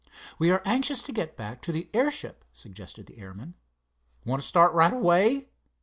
"We are anxious to get back to the airship," suggested the airman. "Want to start right away?"